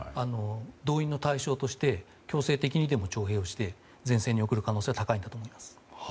動員の対象として強制的にでも徴兵をして前線に送る可能性は高いと思います。